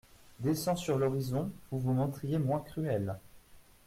Descend sur l’horizon, vous vous montriez moins cruelle.